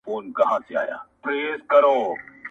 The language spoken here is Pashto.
د پوهاند- خلکو درکړي لقبونه-